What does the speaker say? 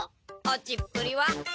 落ちっぷりは？